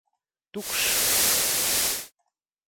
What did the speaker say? Tukšs!